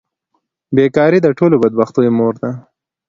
بیکاري د ټولو بدبختیو مور ده.